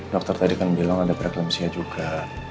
dokter tadi kan bilang ada preferensinya juga